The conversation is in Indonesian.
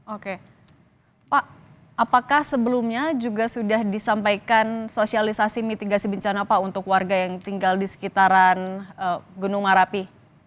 oke pak apakah sebelumnya juga sudah disampaikan sosialisasi mitigasi bencana pak untuk warga yang tinggal di sekitaran gunung merapi